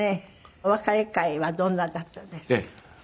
お別れ会はどんなだったんですか？